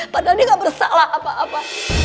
padahal dia gak bersalah apa apa